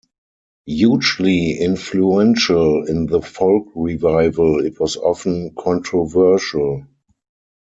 Hugely influential in the folk-revival, it was often controversial.